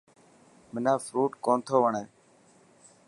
منا فروٽ ڪونٿو وڻي.